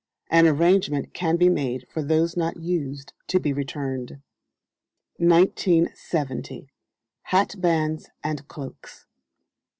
An arrangement can be made for those not used to be returned. 1970. Hatbands and Cloaks.